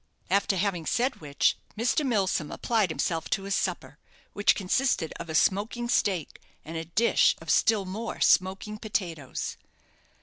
After having said which, Mr. Milsom applied himself to his supper, which consisted of a smoking steak, and a dish of still more smoking potatoes.